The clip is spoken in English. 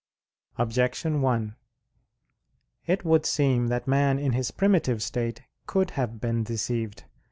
Objection 1: It would seem that man in his primitive state could have been deceived.